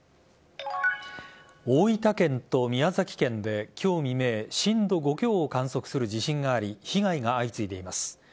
大分県と宮崎県で今日未明震度５強を観測する地震があり被害が相次いでいます。